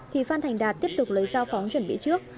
thì phan thành đạt tiếp tục lấy dao phóng chuẩn bị trước